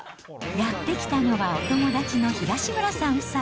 やって来たのは、お友達の東村さん夫妻。